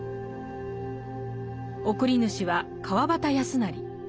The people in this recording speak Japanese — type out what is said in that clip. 送り主は川端康成。